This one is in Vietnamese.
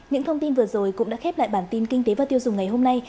những thông tin vừa rồi cũng đã khép lại bản tin kinh tế và tiêu dùng ngày hôm nay